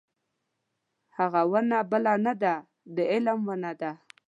هغه ونه بله نه ده د علم ونه ده.